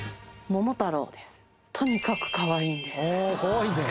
とにかくかわいいんです。